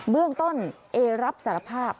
เบื้องต้นเอรับสารภาพ